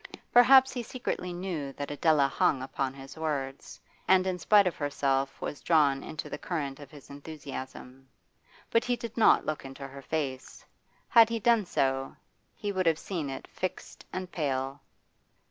Perhaps he secretly knew that Adela hung upon his words, and in spite of herself was drawn into the current of his enthusiasm. But he did not look into her face. Had he done so he would have seen it fixed and pale.